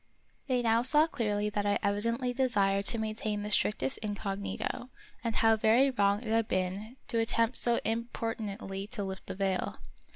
They now saw clearly that I evidently desired to maintain the strictest incognito, and how very wrong it had been to attempt so importunately to lift the veil.